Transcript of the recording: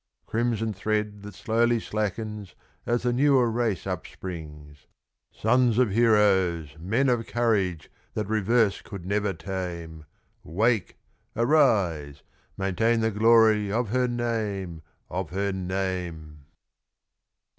Crimson thread that slowly slackens As the newer race upsprings: Sons of heroes, men of courage That reverse could never tame, Wake! arise! maintain the glory Of her name, of her name!